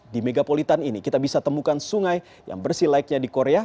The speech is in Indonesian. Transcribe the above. di megapolitan ini kita bisa temukan sungai yang bersih laiknya di korea